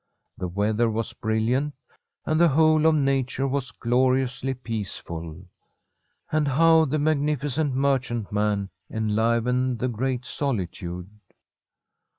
The weather was brilliant, and the whole of nature was gloriously peaceful. And how the magnificent merchantman enlivened the great solitude